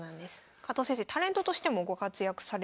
加藤先生タレントとしてもご活躍されております。